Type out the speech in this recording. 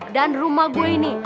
dan rumah gue ini